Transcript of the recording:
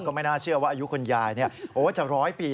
ก็ไม่น่าเชื่อว่าอายุคุณยายนี่โอ้จะ๑๐๐ปี